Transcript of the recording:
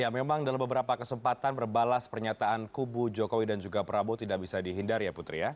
ya memang dalam beberapa kesempatan berbalas pernyataan kubu jokowi dan juga prabowo tidak bisa dihindari ya putri ya